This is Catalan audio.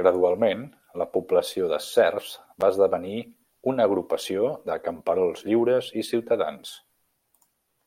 Gradualment, la població de serfs va esdevenir una agrupació de camperols lliures i ciutadans.